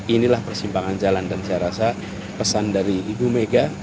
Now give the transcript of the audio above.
inilah persimpangan jalan dan saya rasa pesan dari ibu mega